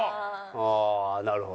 ああなるほど。